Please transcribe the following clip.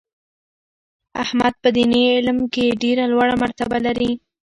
احمد په دیني علم کې ډېره لوړه مرتبه لري.